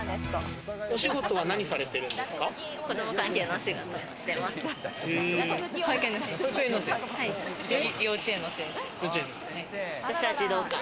お仕事は何されてるんですか？